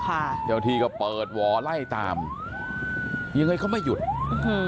ค่ะเดี๋ยวทีก็เปิดหวอไล่ตามยังไงเข้าไม่หยุดอื้อหือ